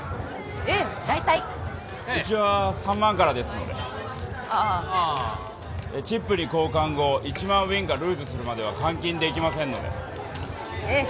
ええ大体うちは３万からですのでああああチップに交換後１万ウィンかルーズするまでは換金できませんのでええ